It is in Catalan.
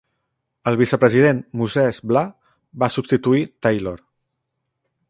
El vicepresident Moses Blah va substituir Taylor.